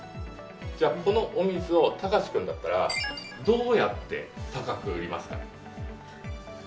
じゃあ、このお水をたかし君だったらどうやって高く売りますか？